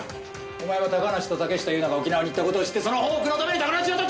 お前は高梨と竹下友那が沖縄に行った事を知ってその報復のために高梨をやった。